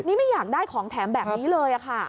นี่ไม่อยากได้ของแถมแบบนี้เลยค่ะ